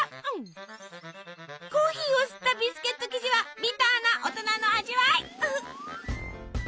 コーヒーを吸ったビスケット生地はビターな大人の味わい。